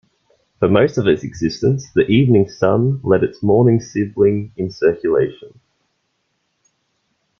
For most of its existence, "The Evening Sun" led its morning sibling in circulation.